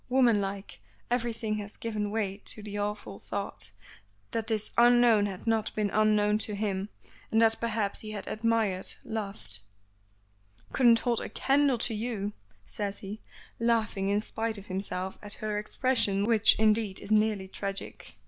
Womanlike, everything has given way to the awful thought, that this unknown had not been unknown to him, and that perhaps he had admired loved "Couldn't hold a candle to you," says he, laughing in spite of himself at her expression which, indeed, is nearly tragic.